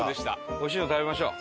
おいしいの食べましょう。